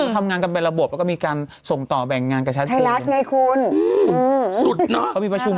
ฟังข่าวแม่แล้วจะรู้